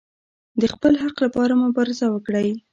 د خپل حق لپاره مبارزه وکړئ